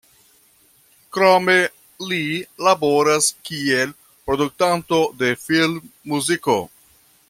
Krome li laboras kiel produktanto de filmmuziko.